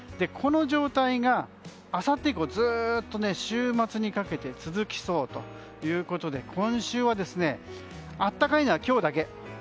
この状態があさって以降ずっと週末にかけて続きそうだということで今週は暖かいのは今日だけ。